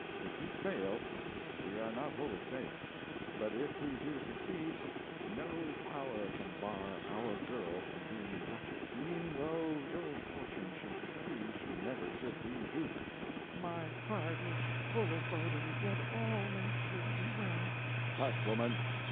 If he fail, we are not wholly safe; but if he do succeed, no power can bar our girl from being Duchess e'en though ill fortune should decree she never should be Duke!" "My heart is full of bodings, yet all may still be well." "Tush, woman!